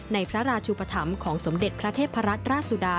ในพระราชุปธรรมของสมเด็จพระเทพรัตนราชสุดา